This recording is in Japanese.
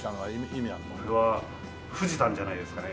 これは富士山じゃないですかね？